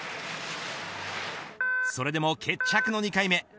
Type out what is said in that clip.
それでも決着の２回目。